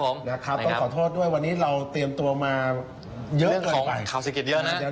ต้องขอโทษด้วยวันนี้เราเตรียมตัวมาเยอะไปเรื่องของข่าวเศรษฐ์เยอะนะ